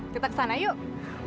kita kesana yuk